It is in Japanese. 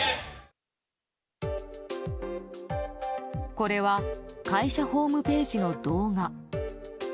これは会社ホームページの動画。